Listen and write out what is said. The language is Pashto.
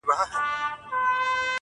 o سپوږمۍ په لپه کي هغې په تماسه راوړې،